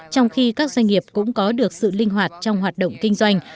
trong khi các doanh nghiệp cũng có được sự linh hoạt trong hoạt động kinh doanh